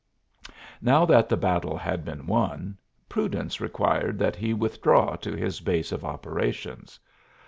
Now that the battle had been won, prudence required that he withdraw to his base of operations.